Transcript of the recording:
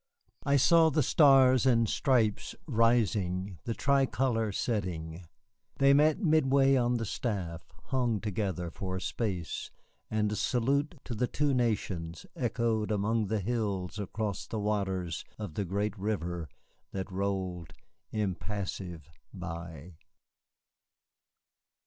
I saw the Stars and Stripes rising, the Tricolor setting. They met midway on the staff, hung together for a space, and a salute to the two nations echoed among the hills across the waters of the great River that rolled impassive by.